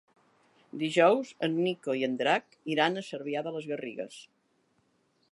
Dijous en Nico i en Drac iran a Cervià de les Garrigues.